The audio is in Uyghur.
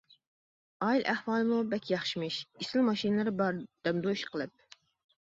ئائىلە ئەھۋالىمۇ بەك ياخشىمىش، ئېسىل ماشىنىلىرى بار دەمدۇ ئىشقىلىپ!